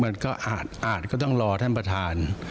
มันก็อาจก็ต้องรอท่านประธาน